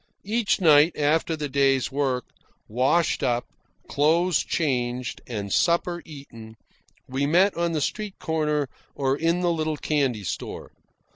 Each night, after the day's work, washed up, clothes changed, and supper eaten, we met on the street corner or in the little candy store.